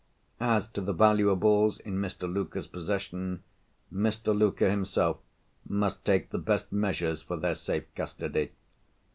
As to the valuables in Mr. Luker's possession, Mr. Luker himself must take the best measures for their safe custody.